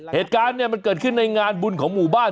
เหตุการณ์เนี่ยมันเกิดขึ้นในงานบุญของหมู่บ้าน